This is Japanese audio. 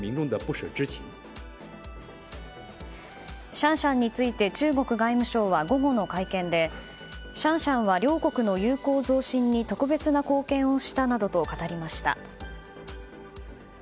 シャンシャンについて中国外務省は午後の会見でシャンシャンは両国の友好増進に特別な貢献をしたなどと語りました。